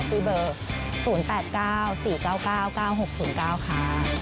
ที่เบอร์๐๘๙๔๙๙๙๙๖๐๙ค่ะ